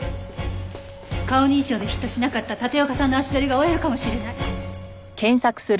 顔認証でヒットしなかった立岡さんの足取りが追えるかもしれない。